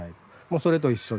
それと一緒で。